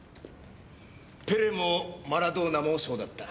ペレもマラドーナもそうだった。